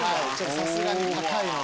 さすがに高いので。